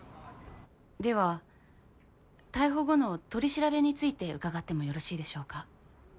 では逮捕後の取り調べについて伺ってもよろしいでしょうか？